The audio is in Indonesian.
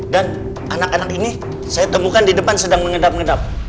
dan anak anak ini saya temukan di depan sedang mengedap engedap